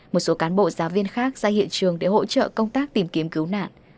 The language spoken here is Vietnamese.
một số cán bộ giáo viên khác ra hiện trường để hỗ trợ công tác tìm kiếm cứu nạn